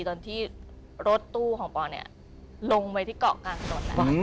ตอนที่รถตู้ของปอเนี่ยลงไปที่เกาะกลางถนนนะคะ